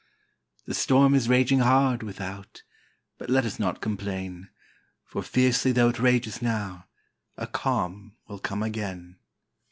The storm is raging hard, without; But let us not complain, For fiercely tho' it rages now, A calm will come again.